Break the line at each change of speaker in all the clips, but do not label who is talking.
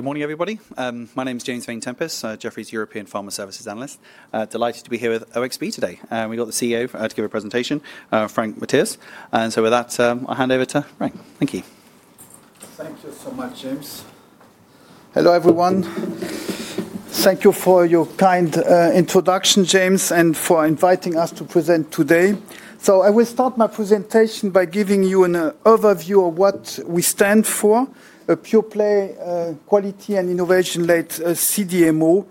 Good morning, everybody. My name is James Vane-Tempest, Jefferies' European Pharma Services Analyst. Delighted to be here with OXB today. We have got the CEO to give a presentation, Frank Mathias. With that, I will hand over to Frank. Thank you.
Thank you so much, James. Hello everyone. Thank you for your kind introduction, James, and for inviting us to present today. I will start my presentation by giving you an overview of what we stand for: a pure play, quality, and innovation-led CDMO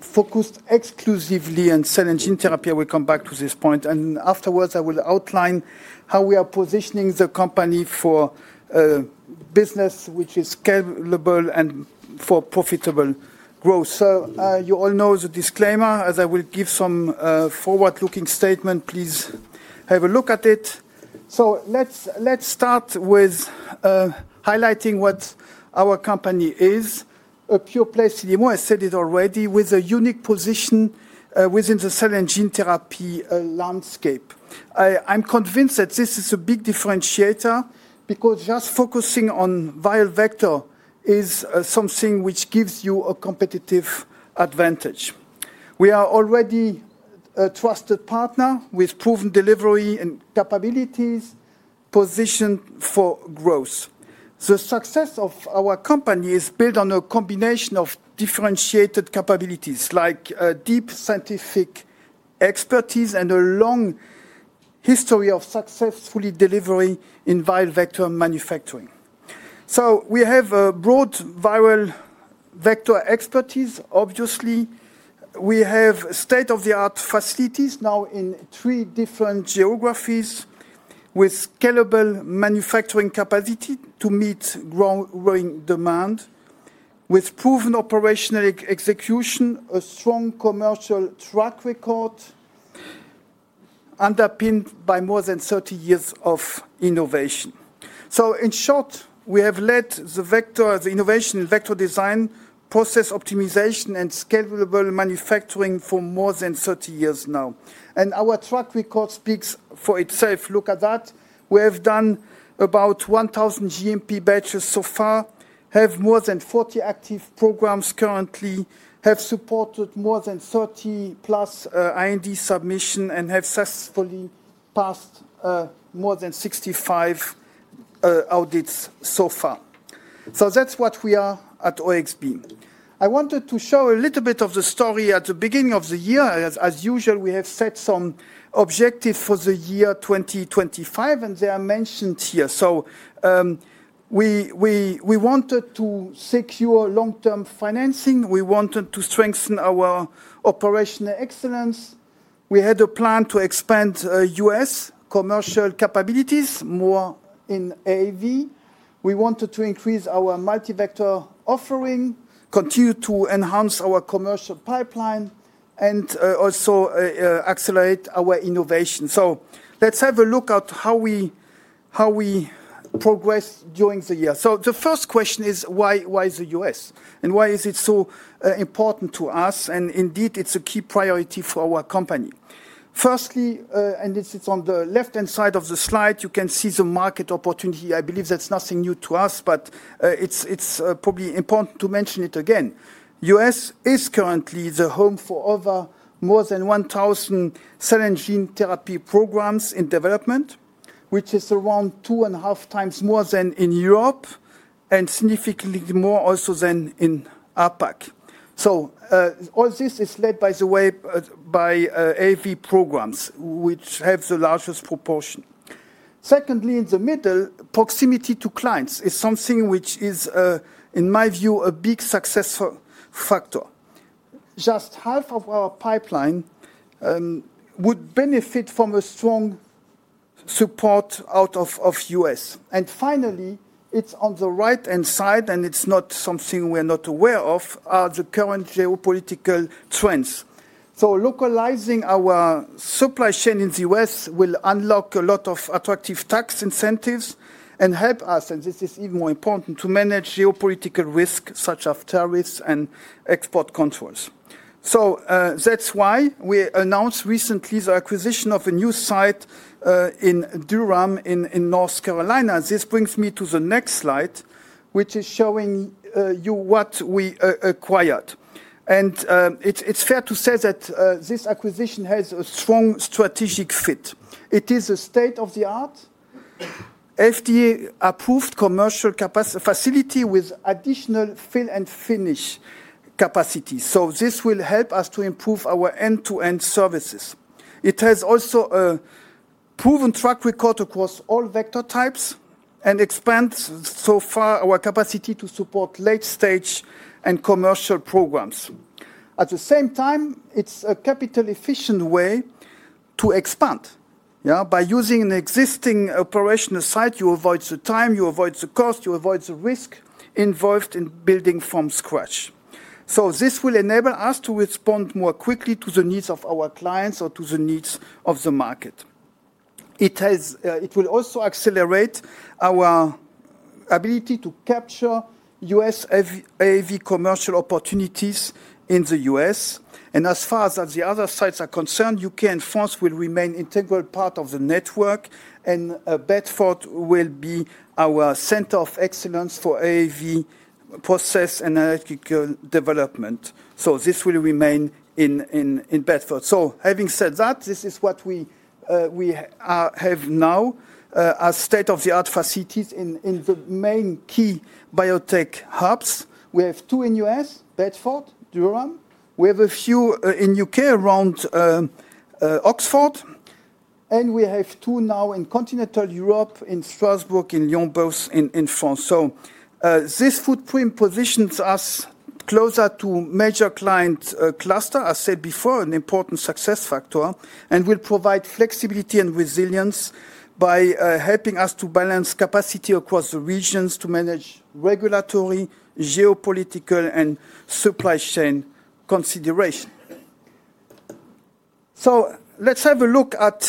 focused exclusively on Cell and Gene Therapy. I will come back to this point. Afterwards, I will outline how we are positioning the company for business, which is scalable and for profitable growth. You all know the disclaimer, as I will give some forward-looking statements. Please have a look at it. Let's start with highlighting what our company is: a pure play CDMO. I said it already, with a unique position within the Cell and Gene Therapy landscape. I'm convinced that this is a big differentiator because just focusing on viral vector is something which gives you a competitive advantage. We are already a trusted partner with proven delivery and capabilities, positioned for growth. The success of our company is built on a combination of differentiated capabilities, like deep scientific expertise and a long history of successfully delivering in vital vector manufacturing. We have a broad viral vector expertise, obviously. We have state-of-the-art facilities now in three different geographies, with scalable manufacturing capacity to meet growing demand, with proven operational execution, a strong commercial track record underpinned by more than 30 years of innovation. In short, we have led the innovation in vector design, process optimization, and scalable manufacturing for more than 30 years now. Our track record speaks for itself. Look at that. We have done about 1,000 GMP batches so far, have more than 40 active programs currently, have supported more than 30 IND submissions, and have successfully passed more than 65 audits so far. That is what we are at OXB. I wanted to show a little bit of the story at the beginning of the year. As usual, we have set some objectives for the year 2025, and they are mentioned here. We wanted to secure long-term financing. We wanted to strengthen our operational excellence. We had a plan to expand U.S. commercial capabilities more in AAV. We wanted to increase our multi-vector offering, continue to enhance our commercial pipeline, and also accelerate our innovation. Let's have a look at how we progressed during the year. The first question is, why the U.S.? Why is it so important to us? Indeed, it's a key priority for our company. Firstly, and this is on the left-hand side of the slide, you can see the market opportunity. I believe that's nothing new to us, but it's probably important to mention it again. The U.S. is currently the home for over more than 1,000 Cell and Gene Therapy programs in development, which is around two and a half times more than in Europe and significantly more also than in APAC. All this is led, by the way, by AAV programs, which have the largest proportion. Secondly, in the middle, proximity to clients is something which is, in my view, a big success factor. Just half of our pipeline would benefit from a strong support out of the U.S. Finally, it's on the right-hand side, and it's not something we're not aware of, are the current geopolitical trends. Localizing our supply chain in the U.S. will unlock a lot of attractive tax incentives and help us, and this is even more important, to manage geopolitical risks such as tariffs and export controls. That is why we announced recently the acquisition of a new site in Durham in North Carolina. This brings me to the next slide, which is showing you what we acquired. It is fair to say that this acquisition has a strong strategic fit. It is a state-of-the-art, FDA-approved commercial facility with additional Fill and Finish capacity. This will help us to improve our end-to-end services. It also has a proven track record across all vector types and expands so far our capacity to support late-stage and commercial programs. At the same time, it is a capital-efficient way to expand. By using an existing operational site, you avoid the time, you avoid the cost, you avoid the risk involved in building from scratch. This will enable us to respond more quickly to the needs of our clients or to the needs of the market. It will also accelerate our ability to capture U.S. AAV commercial opportunities in the U.S. As far as the other sites are concerned, U.K. and France will remain an integral part of the network, and Bedford will be our center of excellence for AAV Process Analytical Development. This will remain in Bedford. Having said that, this is what we have now as state-of-the-art facilities in the main key biotech hubs. We have two in the U.S., Bedford, Durham. We have a few in the U.K. around Oxford. We have two now in continental Europe, in Strasbourg, in Lyon, both in France. This footprint positions us closer to major client clusters, as I said before, an important success factor, and will provide flexibility and resilience by helping us to balance capacity across the regions to manage regulatory, geopolitical, and supply chain considerations. Let's have a look at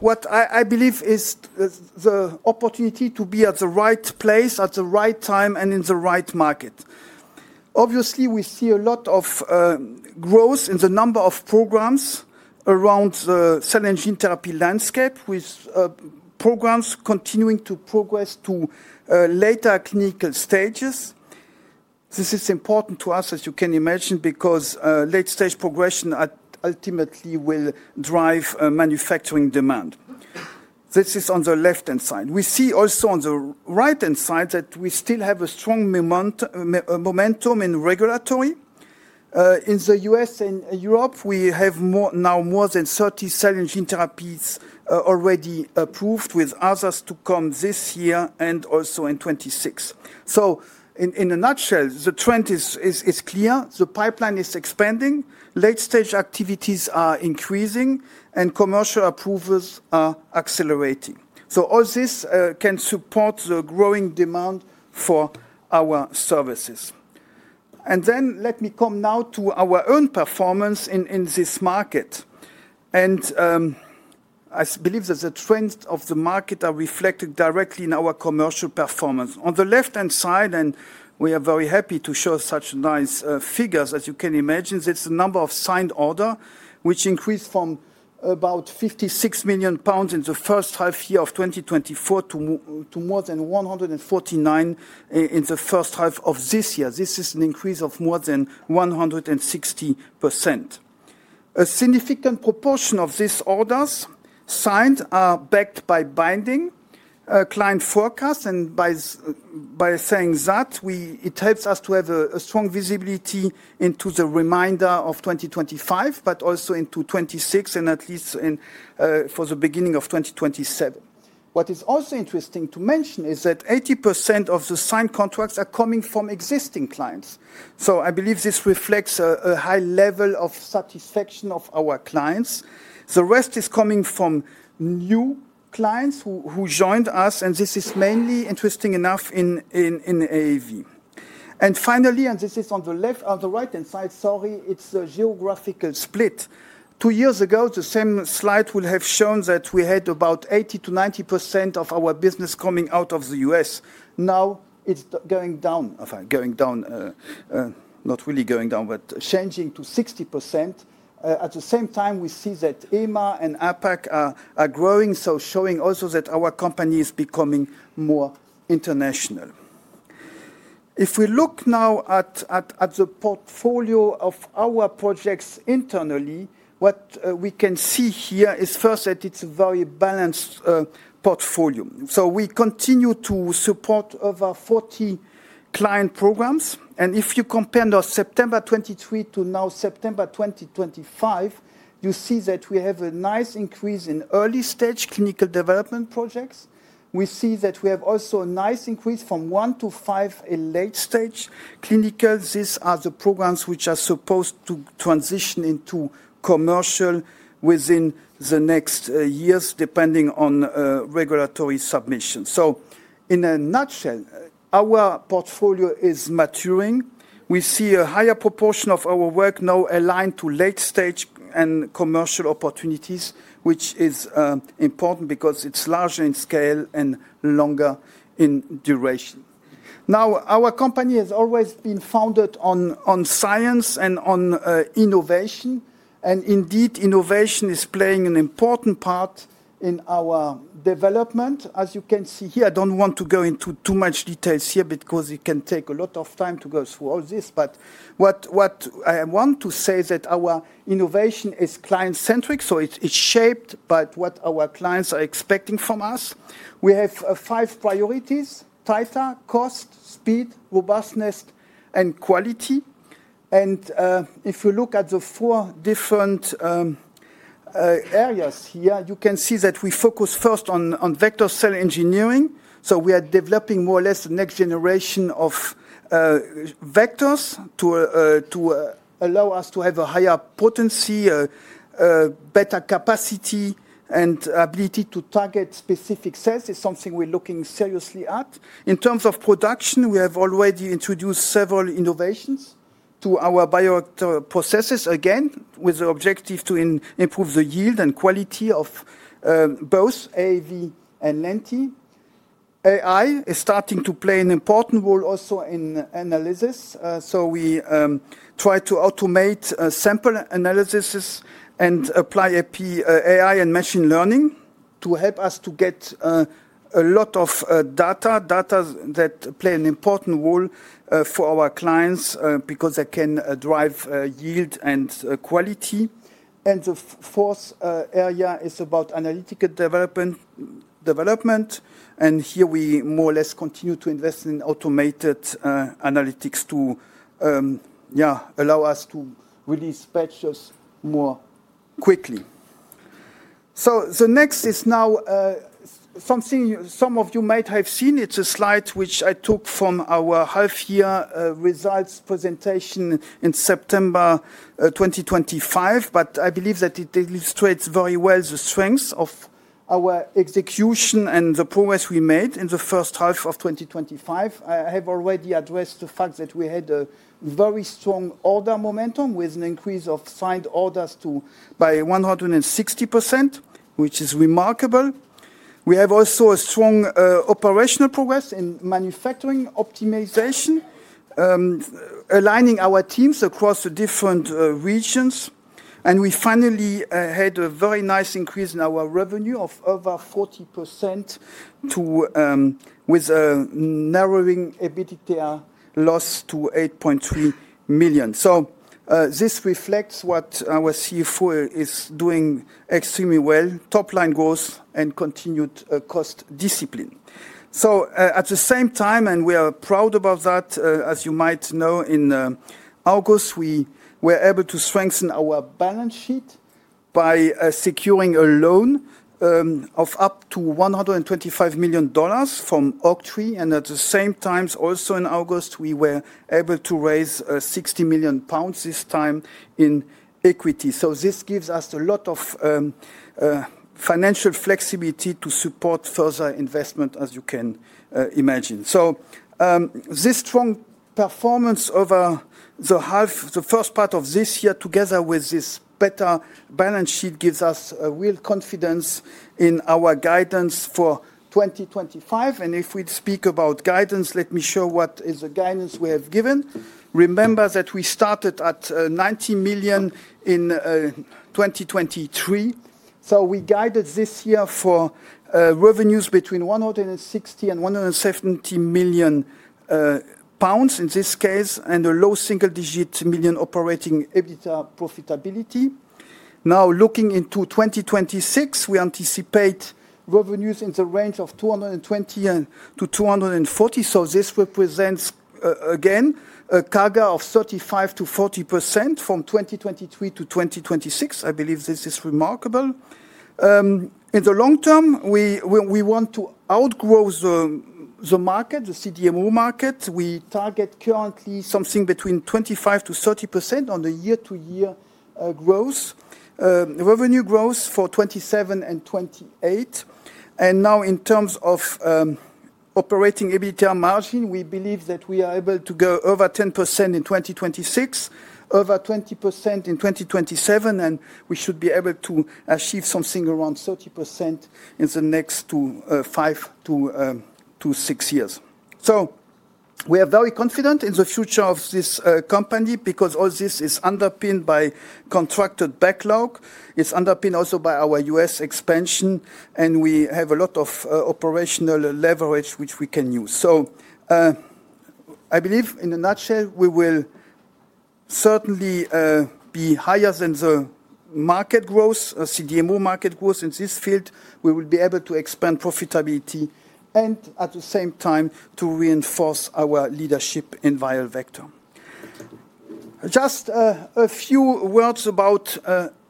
what I believe is the opportunity to be at the right place at the right time and in the right market. Obviously, we see a lot of growth in the number of programs around the Cell and Gene Therapy landscape, with programs continuing to progress to later clinical stages. This is important to us, as you can imagine, because late-stage progression ultimately will drive manufacturing demand. This is on the left-hand side. We see also on the right-hand side that we still have a strong momentum in regulatory. In the U.S. and Europe, we have now more than 30 Cell and Gene Therapies already approved, with others to come this year and also in 2026. In a nutshell, the trend is clear. The pipeline is expanding, late-stage activities are increasing, and commercial approvals are accelerating. All this can support the growing demand for our services. Let me come now to our own performance in this market. I believe that the trends of the market are reflected directly in our commercial performance. On the left-hand side, and we are very happy to show such nice figures, as you can imagine, it is the number of signed orders, which increased from about 56 million pounds in the first half year of 2024 to more than 149 million in the first half of this year. This is an increase of more than 160%. A significant proportion of these orders signed are backed by binding client forecasts. By saying that, it helps us to have a strong visibility into the remainder of 2025, but also into 2026 and at least for the beginning of 2027. What is also interesting to mention is that 80% of the signed contracts are coming from existing clients. I believe this reflects a high level of satisfaction of our clients. The rest is coming from new clients who joined us, and this is mainly, interestingly enough, in AAV. Finally, this is on the right-hand side, sorry, it is the geographical split. Two years ago, the same slide would have shown that we had about 80%-90% of our business coming out of the U.S. Now it is going down, not really going down, but changing to 60%. At the same time, we see that EMA and APAC are growing, showing also that our company is becoming more international. If we look now at the portfolio of our projects internally, what we can see here is first that it's a very balanced portfolio. We continue to support over 40 client programs. If you compare September 2023 to now September 2025, you see that we have a nice increase in early-stage clinical development projects. We see that we have also a nice increase from one to five in late-stage clinical. These are the programs which are supposed to transition into commercial within the next years, depending on regulatory submissions. In a nutshell, our portfolio is maturing. We see a higher proportion of our work now aligned to late-stage and commercial opportunities, which is important because it's larger in scale and longer in duration. Now, our company has always been founded on science and on innovation. Indeed, innovation is playing an important part in our development. As you can see here, I do not want to go into too much detail here because it can take a lot of time to go through all this. What I want to say is that our innovation is client-centric, so it is shaped by what our clients are expecting from us. We have five priorities: title, cost, speed, robustness, and quality. If you look at the four different areas here, you can see that we focus first on Vector Cell Engineering. We are developing more or less the next generation of Vectors to allow us to have a higher potency, better capacity, and ability to target specific cells. It is something we are looking seriously at. In terms of production, we have already introduced several innovations to our biotech processes, again, with the objective to improve the yield and quality of both AAV and Lenti. AI is starting to play an important role also in analysis. We try to automate sample analysis and apply AI and Machine Learning to help us to get a lot of data, data that play an important role for our clients because they can drive yield and quality. The fourth area is about analytical development. Here we more or less continue to invest in automated analytics to allow us to release batches more quickly. The next is now something some of you might have seen. It's a slide which I took from our half-year results presentation in September 2025, but I believe that it illustrates very well the strength of our execution and the progress we made in the first half of 2025. I have already addressed the fact that we had a very strong order momentum with an increase of signed orders by 160%, which is remarkable. We have also a strong operational progress in manufacturing optimization, aligning our teams across the different regions. We finally had a very nice increase in our revenue of over 40% with a narrowing EBITDA loss to 8.3 million. This reflects what our CFO is doing extremely well: top-line growth and continued cost discipline. At the same time, and we are proud about that, as you might know, in August, we were able to strengthen our balance sheet by securing a loan of up to $125 million from Oaktree. At the same time, also in August, we were able to raise 60 million pounds this time in Equity. This gives us a lot of financial flexibility to support further investment, as you can imagine. This strong performance over the first part of this year, together with this better balance sheet, gives us real confidence in our guidance for 2025. If we speak about guidance, let me show what is the guidance we have given. Remember that we started at 90 million in 2023. We guided this year for revenues between 160 million-170 million pounds in this case and a low single-digit million operating EBITDA profitability. Now, looking into 2026, we anticipate revenues in the range of 220 million-240 million. This represents, again, a CAGR of 35%-40% from 2023 to 2026. I believe this is remarkable. In the long term, we want to outgrow the market, the CDMO market. We target currently something between 25%-30% on the year-to-year revenue growth for 2027 and 2028. In terms of operating EBITDA margin, we believe that we are able to go over 10% in 2026, over 20% in 2027, and we should be able to achieve something around 30% in the next five to six years. We are very confident in the future of this company because all this is underpinned by contracted backlog. It is underpinned also by our U.S. expansion, and we have a lot of operational leverage which we can use. I believe in a nutshell, we will certainly be higher than the market growth, CDMO market growth in this field. We will be able to expand profitability and at the same time to reinforce our leadership in Viral Vector. Just a few words about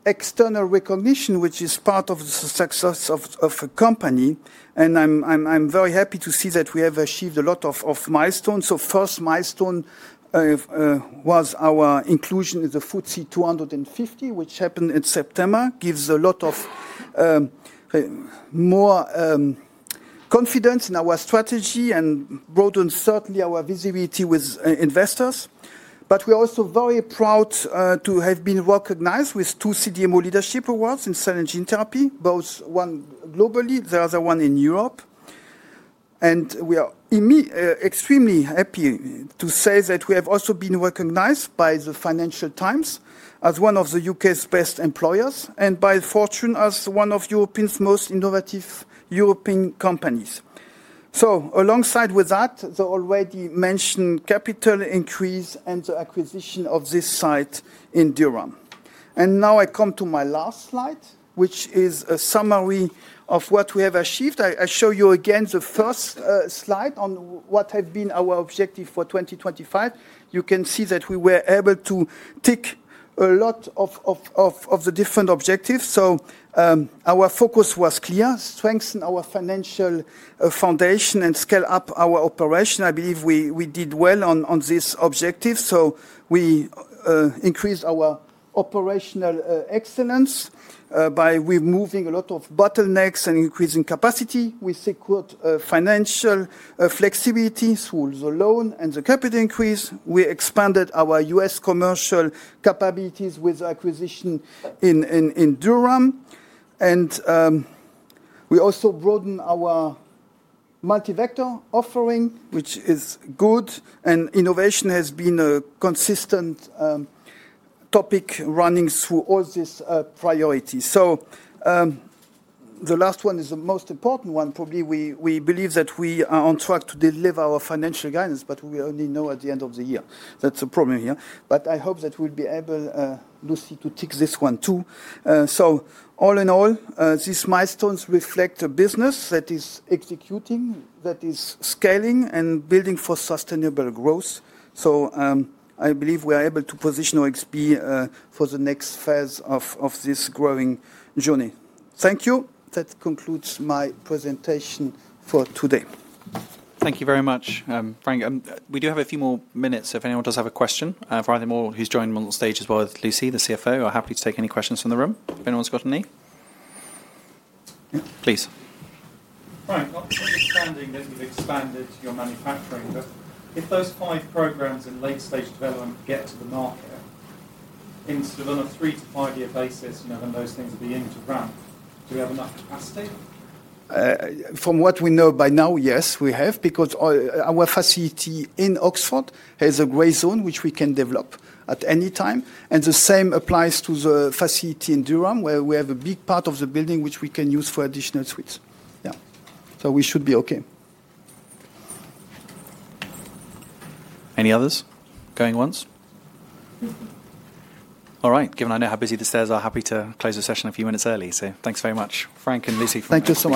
external recognition, which is part of the success of a company. I'm very happy to see that we have achieved a lot of milestones. The first milestone was our inclusion in the FTSE 250, which happened in September, gives a lot more confidence in our strategy and broadens certainly our visibility with investors. We are also very proud to have been recognized with two CDMO leadership awards in Cell and Gene Therapy, both one globally, the other one in Europe. We are extremely happy to say that we have also been recognized by the Financial Times as one of the U.K.'s best employers and by Fortune as one of Europe's most innovative European companies. Alongside that, the already mentioned capital increase and the acquisition of this site in Durham. Now I come to my last slide, which is a summary of what we have achieved. I show you again the first slide on what has been our objective for 2025. You can see that we were able to tick a lot of the different objectives. Our focus was clear: strengthen our financial foundation and scale up our operation. I believe we did well on this objective. We increased our operational excellence by removing a lot of bottlenecks and increasing capacity. We secured financial flexibility through the loan and the capital increase. We expanded our U.S. commercial capabilities with acquisition in Durham. We also broadened our multi-vector offering, which is good. Innovation has been a consistent topic running through all these priorities. The last one is the most important one. Probably we believe that we are on track to deliver our financial guidance, but we only know at the end of the year. That is a problem here. I hope that we will be able, Lucy, to tick this one too. All in all, these milestones reflect a business that is executing, that is scaling and building for sustainable growth. I believe we are able to position OXB for the next phase of this growing journey. Thank you. That concludes my presentation for today.
Thank you very much, Frank. We do have a few more minutes if anyone does have a question. For anyone who's joined on stage as well as Lucy, the CFO, are happy to take any questions from the room. If anyone's got any, please.
Right. Understanding that you've expanded your manufacturing, but if those five programs in late-stage development get to the market in sort of on a three- to five-year basis, and then those things will be in to run, do we have enough capacity?
From what we know by now, yes, we have, because our facility in Oxford has a grey zone which we can develop at any time. The same applies to the facility in Durham, where we have a big part of the building which we can use for additional suites. Yeah. We should be okay.
Any others going once? All right. Given I know how busy the stairs are, happy to close the session a few minutes early. Thank you very much, Frank and Lucy.
Thank you.